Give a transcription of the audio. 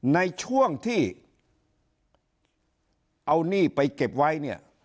ในช่วงที่เอาหนี้ไปเก็บไว้เนี่ย